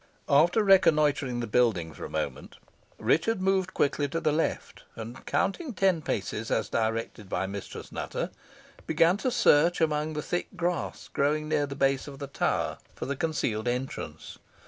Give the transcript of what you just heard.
After reconnoitring the building for a moment, Richard moved quickly to the left, and counting ten paces, as directed by Mistress Nutter, began to search among the thick grass growing near the base of the tower for the concealed entrance.